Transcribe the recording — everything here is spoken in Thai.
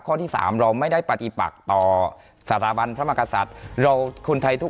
ข้อที่๓เราไม่ได้ปฏิปักต่อสถาบันพระมกษัตริย์